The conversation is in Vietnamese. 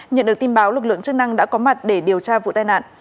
nhận được tin báo lực lượng chức năng đã có mặt để điều tra vụ tai nạn